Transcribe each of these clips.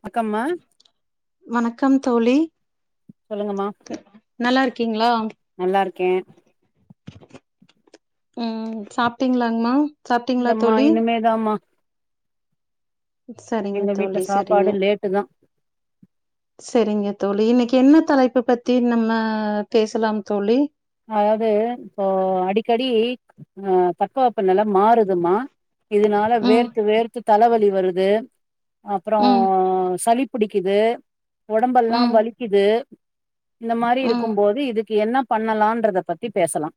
வணக்கம்மா வணக்கம் தோழி சொல்லுங்கம்மா நல்லாருக்கீங்ளா? நல்லா இருக்கே ம் சாப்டீங்ளாங்மா? இல்லம்மா இனிமேதாம்மா சரிங்க எங்க வீட்ல தோழி சாப்பாடு லேட்டுதா செரிங்க தோழி இன்னைக்கு என்ன தலைப்பு பத்தி நம்ம பேசலாம் தோழி அதாவ்து இப்போ அடிக்கடி ஆ தட்ப வெப்ப நெல மாறுதுமா இதனால ம் வேர்த்து வேர்த்து தலவலி வருது அப்பறோ ம் சளி புடிக்குது ஒடம்பெல்லா ம் வலிக்குது இந்த மாரி ம் இருக்கும்போது, இதுக்கு என்ன பண் ணலான்றத பத்தி பேசலா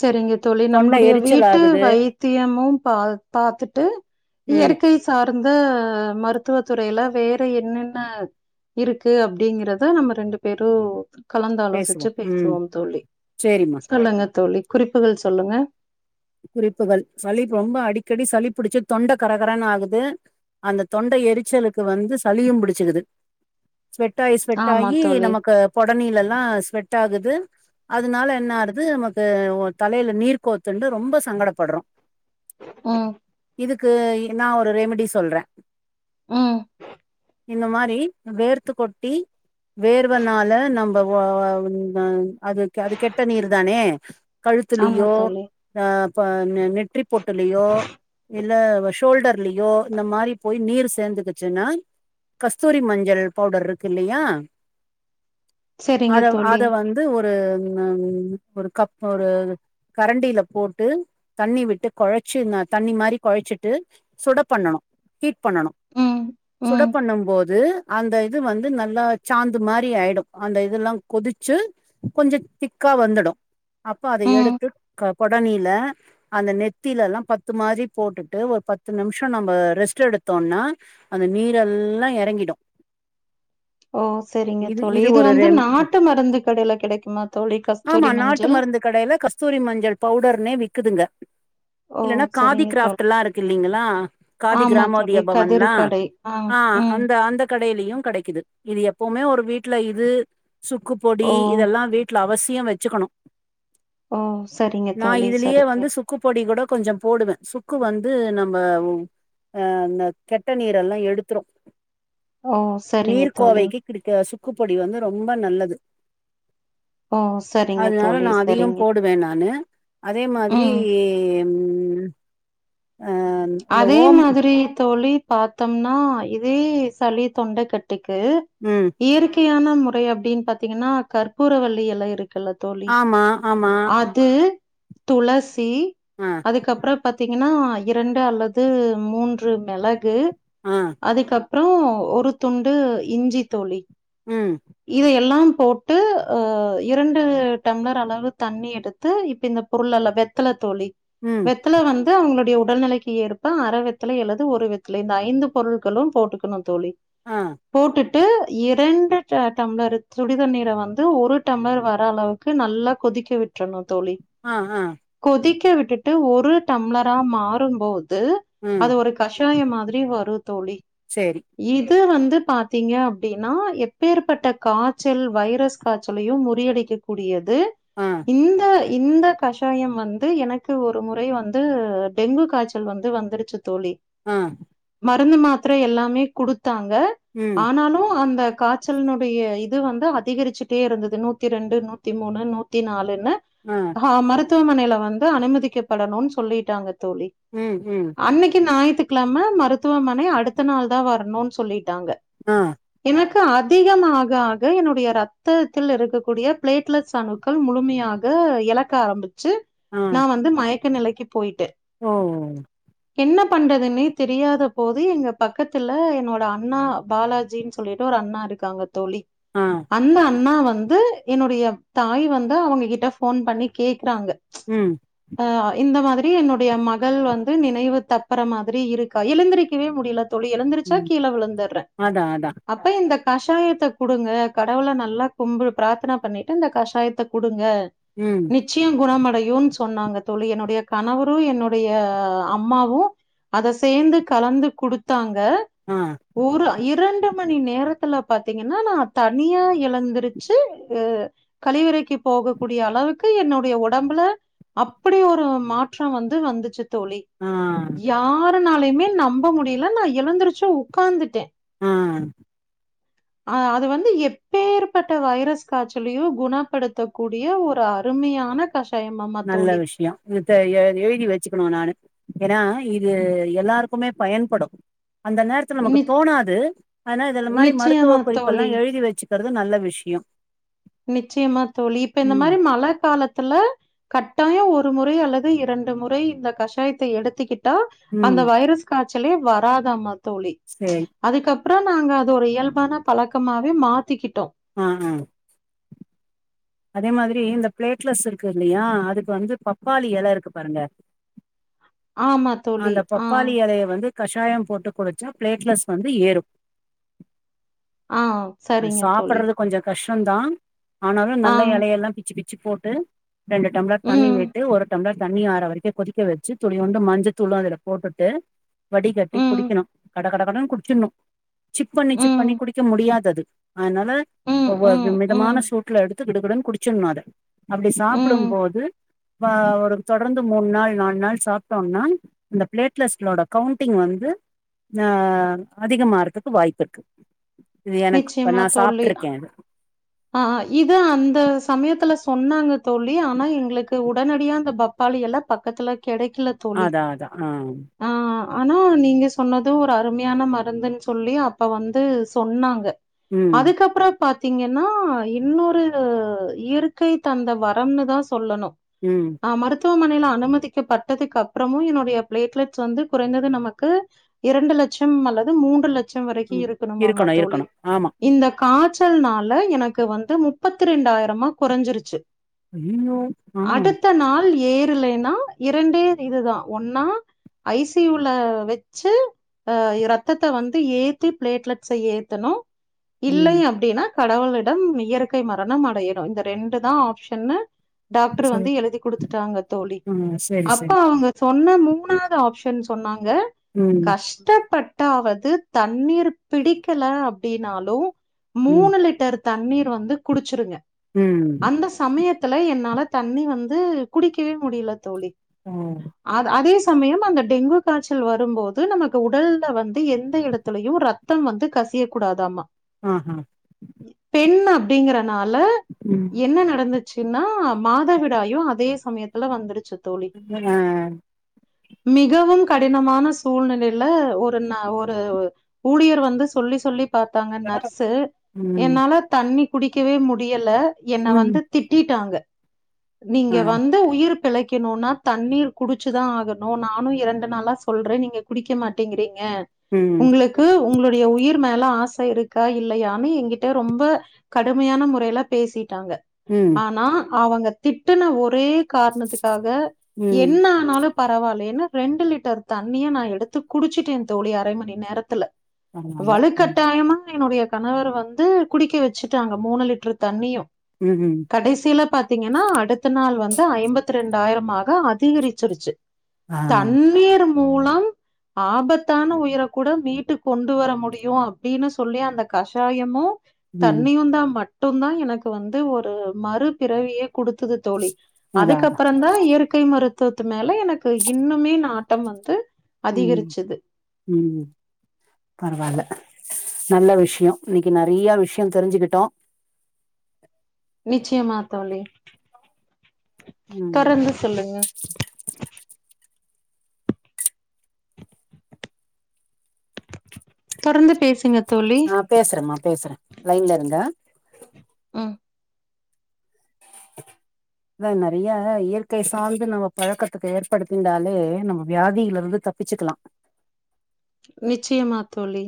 செரிங்க தோழி தொண்ட நம்மளுடைய எரிச்சல் வீட்டு ஆகுது வைத்தியமும் பா பாத்துட்டு ம் இயற்கை சார்ந்த மருத்துவ துறையில வேற என்னென்ன இருக்கு அப்டிங்கிறத நம்ம ரெண்டு பேரு பேசுவோ கலந்தாலோசிச்சு ம் பேசுவோம் தோழி சேரிம்மா சொல்லுங்க தோழி குறிப்புகள் சொல்லுங்க குறிப்புகள் சளி ரொம்ப அடிக்கடி சளி புடிச்சு தொண்ட கரகரனாகுது அந்த தொண்ட எரிச்சலுக்கு வந்து சளியும் புடிச்சுக்குது ஸ்வெட்டாயி ஸ்வெட் ஆமா ஆயி தோழி நமக்கு பொடநிலெல்லா ஸ்வெட்டாகுது அதனால என்ன ஆறது நமக்கு ஒ தலையில நீர் கோத்துண்டு ரொம்ப சங்கடப்படுறோ ம் இதுக்கு இ நா ஒரு ரெமிடி சொல்றே ம் இந்த மாரி வேர்த்து கொட்டி வேர்வனால நம்ப ஒ வ வந் அ அதுக் அது கெட்ட நீரு தானே ஆமா கழுத்துலியோ தோழி அ ப ந நெற்றிப்பொட்டுலியோ இல்ல வ ஷோல்டர்லியோ இந்த மாரி போய் நீர் சேந்துக் சுன்னா கஸ்தூரி மஞ்சள் பவுடர்ருக்கு இல்லையா செரிங்க அத தோழி அத வந் து ஒரு ம் நங் ஒரு கப் ஒரு கரண்டில போட்டு தண்ணி விட்டு கொழச்சு இந்த தண்ணி மாரி கொழச்சிட்டு சுட பண்ணனு ஹீட் பண்ணனு ம் சுட ம் பண்ணும்போது அந்த இது வந்து நல்லா சாந்து மாரி ஆயிடோ அந்த இதெல்லா கொதிச்சு கொஞ்சோ திக்கா வந்துடு அப்போ அத ம் எடுத்து க கொடனில அந்த நெத்திலெல்லா பத்து மாரி போட்டுட்டு ஒரு பத்து நிம்ஷோ நம்ப ரெஸ்ட் எடுத்தோனா அந்த நீரெல்லா எறங்கிடோ ஓ செரிங்க தோழி இது வந்து ரெம் நாட்டு மருந்து கடையில கெடைக்குமா தோழி ஆமா கஸ்தூரி நாட்டு மஞ்சள் மருந்து கடையில கஸ்தூரி மஞ்சள் பவுடர்னே விக்குதுங்க ஓ இல்லன்னா காதி செரிங்க தோழி கிராஃப்டில்லா இருக்கு இல்லீங்களா காதி ஆமா தோழி கிராமோதிய கதிரு பவன்லா கடை ஆ ம் அந்த அந்த கடையிலயு கடைக்கிது இது எப்பவுமே ஒரு வீட்ல இது சுக்கு ஓ பொடி இதெல்லா வீட்ல அவசியோ வெச்சுக்கணு ஓ சரி நான இதுலியே வந்து சுக்கு பொடி கூட கொஞ்சம் போடுவே சுக்கு வந்து நம்ப ம் ஆ இந்த கெட்ட நீரெல்லா எடுத்துரு ஓ சரிங்க தோழி நீர்க்கோவைக்கு கிடுக்க சுக்கு பொடி வந்து ரொம்ப நல்லது ஓ சரிங்க அதனால தோழி நா அதயு சரிங்க போடுவே நானு இத மாதிரி ம் ம் ஹம் அதே மாதிரி தோழி பாத்தம்னா இதே சளி தொண்டக்கட்டுக்கு ம் இயற்கையான முறை அப்டின்னு பாத்தீங்கன்னா கற்பூரவள்ளி எல இருக் குல்ல தோழி ஆமா ஆமா அது துளசி ஆ அதுக்கப்பறம் பாத்தீங்கன்னா இரண்டு அல்லது மூன்று மெளகு ஆ அதுக்கப்றோ ஒரு துண்டு இஞ்சி தோழி ம் இத எல்லாம் போட்டு அ இரண்டு டம்ளர் அளவு தண்ணி எடுத் து இப்ப இந்த பொருள் எல்லா வெத்தல தோழி ம் வெத்தல வந் து அவங்களுடைய உடல்நிலைக்கு ஏற்ப அரவெத்தலை அல்லது ஒரு வெத்தலை இந்த ஐந்து பொருள்களு போட்டுக்கணு தோழி ஆ போட்டுட்டு இரண்டு டம்ளர் சுடிதண்ணீர வந்து ஒரு டம்ளர் வர அளவுக்கு நல்லா கொதிக்க விட்டுறணு தோழி ஆ ஆ கொதிக்க விட்டுட்டு ஒரு டம்ளரா மாறும்போது ம் அது ஒரு கஷாய மாதிரி வரு தோழி சேரி இது வந்து பாத்தீங்க அப்டின்னா எப் பேற்பட்ட காச்சல் வைரஸ் காச்சலயு முறியடிக்க கூடியது ஆ இந்த இந்த கஷாயம் வந்து எனக்கு ஒரு முறை வந்து டெங்கு காய்ச்சல் வந்து வந்துருச்சு தோழி ஆ மருந்து மாத்திர எல்லாமே குடுத்தாங்க ம் ஆனாலு அந்த காச்சல்னுடைய இது வந்து அதிகரிச்சுட்டே இருந்தது நூத்தி ரெண்டு நூத்தி மூணு நூத்தி நாலுன்னு ஆ ஹ மருத்துவமனைல வந்து அனுமதிக்கப்படணுன் சொல்லிட்டாங்க தோழி ம் ம் அன்னிக்கு ஞாயித்துக்கெழம மருத்துவமனை அடுத்த நாள் தா வரணுன் சொல்லிட்டாங்க ஆ எனக்கு அத் திகமாக ஆக என்னுடைய ரத்தத்தில் இருக்கக்கூடிய பிளேட்லெட்ஸ் அணுக்கள் முழுமையாக எலக் க ஆரம்பிச்சு ஆ நா வந்து மயக்க நிலைக்கு போயிட்டே ஓ என்ன பண்றதுன்னே தெரியாத போது எங்க பக்கத்துல என்னோட அண்ணா பாலாஜின் சொல்லிட்டு ஒரு அண்ணா இருக்காங்க தோழி ஆ அந்த அண்ணா வந்து என்னுடைய தாய் வந்து அவங்க கிட்ட ஃபோன் பண்ணி கேக்றாங்க ம் அ இந்த மாதிரி என்னுடைய மகள் வந்து நினைவு தப்பற மாதிரி இருக்கா எழுந்திரிக்கவே முடியல தோழி எழுந்திரிச்சா ம் கீழ விழுந்துற்ர அதா அதா அப்ப இந்த கஷாயத்த குடுங்க கடவுள நல்லா கும்பு பிராத்தன பண்ணிட்டு இந்த கஷாயத்த குடுங்க ம் நிச்சியு குணமடையூனு சொன்னாங்க தோழி என்னுடைய கணவரு என்னுடைய அம்மாவு அத சேந்து கலந்து குடுத்தாங்க ஆ ஒரு இரண்டு மணி நேரத் த்துல பாத்தீங்கனா நா தனியா எழுந்தருச்சு அ கழிவறைக்கு போக கூடிய அளவுக்கு என்னுடைய ஒடம்புல அப்டி ஒரு மாற்றொ வந்து வந்துச்சு தோழி ஆ யாருனாலயுமே நம்ப முடியல நா எழுந்துருச்சு உக்காந்துட்டே ஆ அ அது வந்து எப்பேற்பட்ட வைரஸ் காச்சலயு குணப்படுத்தக் கூடிய ஒரு அருமையான கஷாயமம் நல்ல விஷ்யோ இத ஏ எழுதி வெச்சுக்கணு நானு ஏனா இது எல்லாருக்குமே பயன்படு அந்த நேரத் துல நமக்கு நி தோணாது ஆனா இதுல மாரி மருத்துவ நிச்சயமா குறிப்பெல்லா தோழி எழுதி வெச்சுக்கறது நல்ல விஷ்யொ நிச்சயமா தோழி இப்ப இந்த மாரி மழ காலத்துல கட்டாயொ ஒரு முறை அல்லது இரண்டு முறை இந்த கஷாயத்த எடுத்துக்கிட்டா ம் அந்த வைரஸ் காச்சலே வராதாமா தோழி சேரி அதுக்கப்றொ நாங்க அது ஒரு இயல்பான பழக்கமாவே மாத்திகிட்டோ ஆ அ அதே மாதிரி இந்த பிளேட்லஸ் இருக்கு இல்லயா அதுக்கு வந்து பப்பாளி எல இருக்கு பாருங்க ஆமா தோழி அந்த ஆ பப்பாளி எலைய வந்து கஷாயம் போட்டு குடிச்சா பிளேட்லட்ஸ் வந்து ஏறு ஆ அத சரிங்க தோழி சாப்பட்றது கொஞ்சொ கஷ்ட்டோந்தா ஆனாலு ஆ நல்ல எலையெல்லா பிச்சி பி ச்சி போட்டு ரெண்டு டம்ளர் தண்ணி ம் விட்டு ஒரு டம்ளர் தண்ணி ஆற வரைக்கு கொதிக்க வச்சி துளியூண்டு மஞ்ச தூளு அதுல போட்டுட்டு வடிகட்டி ம், குடிக்கணு கட கட கடன் குடிச்சிட்னு சிப் பண்ணி சிப் பண்ணி ம், குடிக்க முடியாது அது அதனால ம், ஒவ்வொ வி ம், மிதமான ம், சூட்ல எடுத்து கிடு கிடுன் குடிச்சின்னு அத அப்டி ம். சாப்டும்போது வா ஒரு தொடர்ந்து மூண் நாள் நால் நாள் சாப்ட்டோம்னா இந்த பிளேட்லஸ்ட்லோட கவ்ண்டிங் வந்து ஆ அதிகமாறதுக்கு வாய்ப்பிருக்கு இது எனக்கு இப்ப நா சாப்ட்டுருக்கே ஆ இது அந்த சமயத்துல சொன்னாங்க தோழி ஆனா எங்களுக்கு உடனடியா அந்த பப் பப்பாளியெல்லா பக்கத்துல கெடைக்கல த் அதா அதா ஆ ஆனா நீங்க சொன்னதூ ஒரு அருமையான மருந்துன் சொல்லி அப்போ வந்து சொன்னாங்க ம் அதுக்கப்றோ பாத்தீங்க ன்னா இன்னொரு இயற்கை தந்த வரம்னுதா சொல்லணூ ம் ஆ மருத்துவமனைல அனுமதிக்கப்பட்டதுக்கு அப்புறமு என்னுடைய பிளேட்லெட்ஸ் வந்து குறைந்தது நமக்கு இரண்டு லட்சம் அல்லது மூன்று லட்சம் வரைக்கு ம் இருக்கணுமாமா இருக்கணு தோழி இருக்கணு ஆமா இந்த காச்சல்னால எனக்கு வந்து முப்பத்தி ரெண்டாயிரமா கொறஞ்சிருச்சு ஐயயோ ஆ அடுத்த நாள் ஏறுலேன்னா இரண்டே இதுதா ஒன்னா ஐ சி யூ ல வெச்சு அ எ இரத்தத்த வந்து ஏத்தி பிளேட்லெட்ஸ ஏத்தணு இல்லை ம் அப்டினா கடவுளிடம் இயற்கை மரணம் அடையணு இந்த ரெண்டு தா ஆப்ஷன்னு டாக்ட்ரு சரி வந்து எழுதி குடுத்துட்டாங்க தோழி ஆ சரி அப்ப சரி அவ்ங்க சொன்ன மூணாவ்து ஆப்ஷன் சொன்னாங்க ம் கஷ்டப்பட் ட்டாவ்து தண்ணீரு பிடிக்கல அப்டினாலூ ம் மூணு லிட் டர் தண்ணீரு வந்து குடுச்சுருங்க ம் அந்த சமயத்துல என்னால தண்ணி வந்து குடிக்கவே முடியல தோழி ஓ அது அதே ஸ் சமயம் அந்த டெங்கு காச்சல் வரும்போது நமக்கு உடல்ல வந்து எந்த எடத்துலயு ரத் த்தம் வந்து கசியக் கூடாதாமா ஆ ஹா பெண் அப்டிங்கறனால ம் என்ன நடந்து ச்சுனா மாதவிடாயு அதே சமயத்துல வந்துருச்சு தோழி என்னங்க மிகவும் கடினமான சூழ்நிலைல ஒரு ந ஒரு ஊழியரு வந்து சொல்லி சொல்லி பாத்தாங்க நர்ஸு ம் என்னால தண்ணி குடிக்கவே முடியல என்ன ம் வந்து திட்டிட்டாங்க நீங்க ஆ வந் ந்து உயிரு பெழைக்கணுனா தண்ணீரு குடுச்சுதா ஆகண நானூ இரண்டு நாளா சொல்றே நீங்க எப் குடிக்க மாட்டேங்கிறீங்க ம் உங்ளுக்கு உங்களுடைய உயிர் மேல ஆச இருக்கா இல்லையானு எங்கிட் ட்டு ரொம்ப கடுமையான முறைல பேசிட்டாங்க ம் ஆனா அவுங்க திட்டுன ஒரே காரணத்துக்காக ம் என்ன ஆனாலு பரவால்லைனு ரெண்டு லிட்டர் தண்ணியு நா எடுத்து குடிச்சுட்டே தோழி அரை மணி நேரத்துல பரவால்ல ம் வலுக்கட்டாயமா என்னுடைய கணவர் வந் வந்து குடிக்க வெச்சுட்டாங்க மூணு லிட்ரு தண்ணியு ம் ம் கடைசில பாத்தீங்கனா அடுத்த நாளு வந்து ஐம்பத்தி ரெண்டாயிரமாக அதிகரிச்சுருச்சு ஆ தண்ணீரும் [inaudible] ஆபத்தான உயிரக் கூட மீட்டு கொண்டு வர முடியு அப்டினு சொல்லி அந்த கஷாயமு ம் தண்ணியுந்தா மட் ட்டுந்தா எனக்கு வந்து ஒரு மறுபிறவியே குடுத்தது தோழி அதா அதா அதுக்கப்பறந்தா இயற் இயற்கை மருத்துவத்து மேல எனக்கு இன்னுமே நாட்டம் வந்து ம் அதிகரிச்சது ம் பரவால்ல நல்ல விஷ்ய இன்னக்கி நெறையா விஷ்ய தெரிஞ்சுகிட்டோ நிச்சயமா தோழி ம் தொரந்து சொல்லுங்க தொடர்ந்து பேசுங்க தோழி ஆ பேசுறேமா பேசுறே லைன்ல இருங்க ம் அதா நெறைய இயற்கை சார்ந்து நம்ம பழக்கத்துக்கு ஏற்படுத்தின்டாலே நம்ம வியாதியிலருந்து தப்பிச்சுக்கலா நிச்சயமாத் தோழி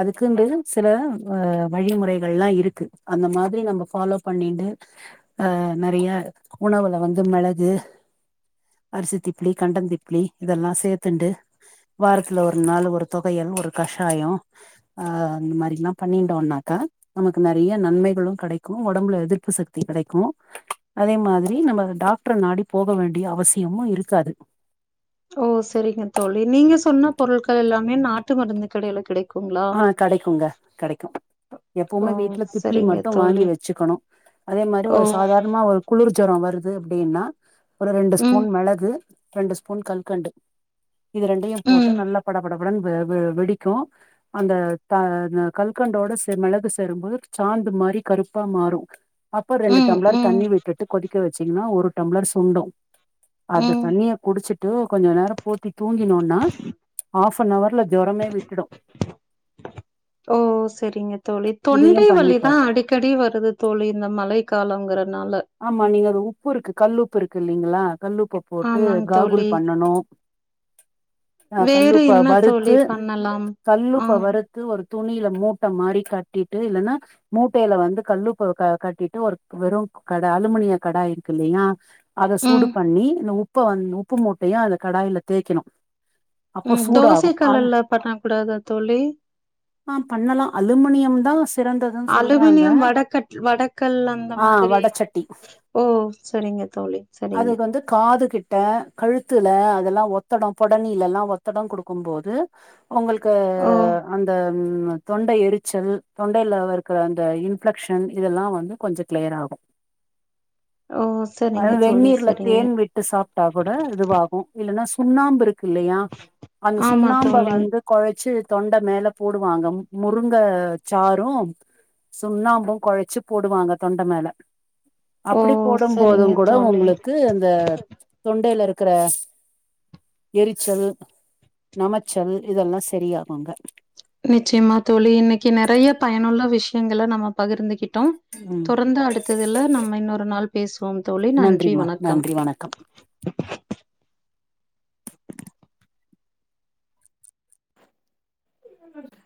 அதுக்குன்டு சில அ வழிமுறைகள்லா இருக்கு அந்த மாதிரி நம்ம ஃபாலோ பண்ணின்டு ஆ நெறையா உணவுல வந்து மெளகு அரிசி திப்ளி கண்டன் திப்ளி இதெல்லா சேத்துண்டு வாரத்துல ஒரு நாள் ஒரு தொவையல் ஒரு கஷாயோ ஆ இந்த மாரிலா பண்ணிட்டோம்னாக்கா நமக்கு நெறைய நன்மைகளும் கெடைக்கும் ஒடம்புல எதிர்ப்பு சக்தி கெடைக்கும் அதே மாதிரி நம்ம டாக்டர நாடி போக வேண்டிய அவசியமும் இருக்காது ஓ சரிங்க தோழி நீங்க சொன்ன பொருள்கள் எல்லாமே நாட்டு மருந்து கடையில கிடைக் ஆ கடைக்குங்க கெடைக்கும் ஓ! எப்பவுமே வீட்ல திப்ளி சரிங்க மட்டும் தோழி. வாங்கி வச்சுக்கணும் அதே மாதிரி ஓ! ஒரு சாதாரணமா ஒரு குளுர் ஜொரோ வருது அப்டின்னா ஒரு ரெண்டு ம், ஸ்பூன் மிளகு ரெண்டு ஸ்பூன் கல்கண்டு இது ரெண்டையும் போட்டு ம், நல்லா படபடபடன் வெ வெ வெடிக்கும் அந்த த கல்கண்டோட செ மிளகு சேரும்போது சாந்து மாரி கருப்பா மாறும் அப்ப ரெண்டு ம், டம்ளர் ம், தண்ணி விட்டுட்டு கொதிக்க வச்சீங்ன்னா ஒரு டம்ளர் சுண்டும் அந்த ம். தண்ணிய குடுச்சுட்டு கொஞ்ச நேரோ போத்தி தூங்கினோன்னா ஆஃப் ஃப நவர்ல ஜொரமே விட்டுடும் ஓ சரிங்க தோழி இதையு தொண்டை பண்ணி பாருங்க வலிதா அடிக்கடி வருது தோழி இந்த மழை காலங்கிறனால ஆமா நீங்க அது உப்பு இருக்கு கல்லுப்பு இருக்கு இல்லைங்களா கல்லுப்ப போட்டு ஆமாங்க தோழி. காகுல் பண்ணனும் ஆ வேறு கல்லுப்ப என்ன தோழி வறுத்து பண்ணலாம்? ஆ, கல்லுப்ப வறுத் த்து ஒரு துணில மூட்ட மாறி கட்டிட்டு இல்லன்னா மூட்டையில வந்து கல்லுப்ப கட்டிட்டு ஒரு வெறும் கடா அலுமினிய கடாய் இருக்குல்லையா அத சூடு ம், பண்ணி இந்த உப்ப வந் உப்பு மூட்டைய அத கடாயில தேய்க்கணு அப்போ ம் சூடாகு அந் தோசைக்கல்லுல பண்ண கூடாதா தோழி ஆ பண்ணலா அலுமினியம்தா சிறந்ததுன்னு சொல்றாங் அலுமினியம் வடக்கட் வட க்கல்லா அந்த மாதிரி வடச்சட்டி ஓ சரிங்க தோழி சரிங்க அது வந்து காது கிட்ட கழுத்துல அதலா ஒத்தடம் பொடனிலல்லா ஒத்தடம் குடுக்கும் போது உங்களுக்கு ஓ! அந்த ம் தொண்டை எரிச்சல் தொண்டையில இருக்கிற அந்த இன்ஃப்ளெக்ஷன் இதல்லா வந்து கொஞ்ச கிளியர் ஆகும் ஓ சரிங்க தோழி வெந்நீர்ல சரிங்க தேன் விட்டு சாப்ட்டா கூட இதுவாகும் இல்லனா சுண்ணாம்பு இருக் குல்லையா அந்த ஆமா சுண்ணாம்ப தோழி வந்து கொழச்சு தொண்ட மேல போடுவாங்க முருங்க சாரும் சுண்ணாம்பும் கொழச்சு போடுவாங்க தொண்ட மேல ஓ அப்படி போடும் சரிங்க போதும் கூட தோழி உங்களுக்கு அந்த தொண்டைல இருக்கிற எரிச்சல் நமச்சல் இதெல்லா சரியாகுங்க நிச்சயமா தோழி இன்னைக்கு நெறைய பயனுள்ள விஷயங்கல நம்ம பகிர்ந்துகிட்டோ ம் தொடர்ந்து அடுத்ததுல நம்ம இன்னொரு நாள் பேசுவோம் தோழி நன்றி நன்றிமா வணக்கம் நன்றி உ